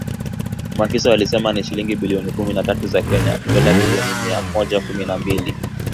Maafisa walisema ni shilingi bilioni kumi na tatu za Kenya (dola milioni mia moja kumi na mbili)